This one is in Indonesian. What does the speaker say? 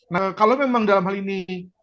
nah kalau memang dalam hal ini